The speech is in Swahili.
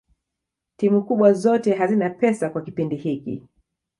timu kubwa zote hazina pesa kwa kioindi hiki